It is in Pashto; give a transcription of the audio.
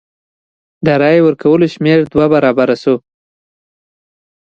د رای ورکوونکو شمېر دوه برابره شو.